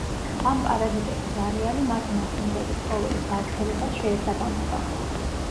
ამ პარაზიტების არეალი მათი მასპინძელი ცხოველის გავრცელებას შეესაბამება.